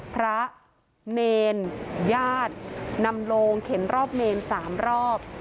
พระเนรญาตินำโลงเข็นรอบเมน๓รอบ